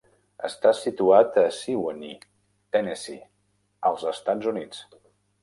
Està situat a Sewanee, Tennessee, als Estats Units.